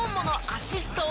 「７アシスト。